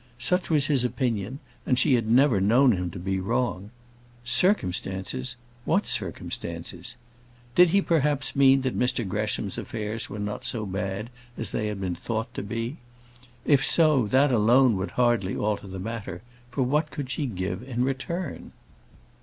Such was his opinion, and she had never known him to be wrong. Circumstances! What circumstances? Did he perhaps mean that Mr Gresham's affairs were not so bad as they had been thought to be? If so, that alone would hardly alter the matter, for what could she give in return?